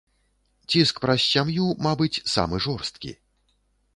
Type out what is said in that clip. Ціск праз сям'ю, мабыць, самы жорсткі.